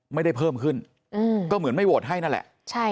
ไม่ได้เพิ่มขึ้นก็เหมือนไม่โหวตให้นั่นแหละ